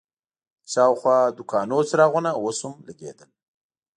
د شاوخوا دوکانونو څراغونه اوس هم لګېدل.